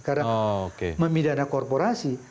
karena memidana korporasi